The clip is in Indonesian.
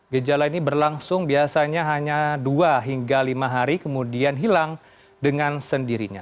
gejala ini berlangsung biasanya hanya dua hingga lima hari kemudian hilang dengan sendirinya